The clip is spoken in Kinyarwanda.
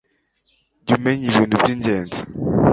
jya umenya ibintu by ingenzi